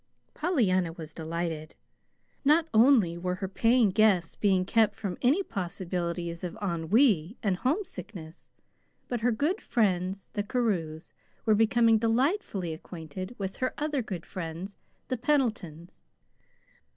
Pollyanna was delighted. Not only were her paying guests being kept from any possibilities of ennui and homesickness, but her good friends, the Carews, were becoming delightfully acquainted with her other good friends, the Pendletons.